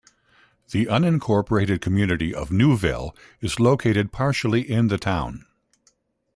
The unincorporated community of Newville is located partially in the town.